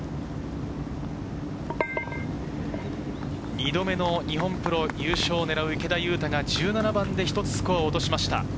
２度目の日本プロ優勝を狙う池田勇太が１７番で１つスコアを落としました。